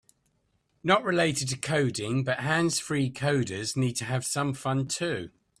Not related to coding, but hands-free coders need to have some fun too.